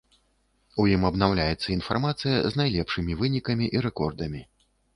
У ім абнаўляецца інфармацыя з найлепшымі вынікамі і рэкордамі.